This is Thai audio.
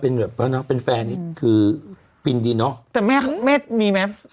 เป็นแบบแล้วเนอะเป็นแฟนนี่คือฟินดีเนอะแต่แม่แม่มีไหม